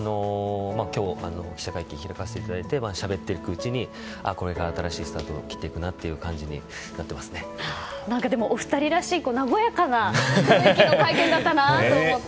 今日、記者会見を開かせていただいてしゃべっていくうちにこれから新しいスタートをお二人らしい和やかな雰囲気の会見だったなと思って。